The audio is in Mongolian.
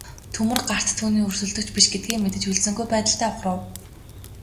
Төмөр гарт түүний өрсөлдөгч биш гэдгээ мэдэж хүлцэнгүй байдалтай ухрав.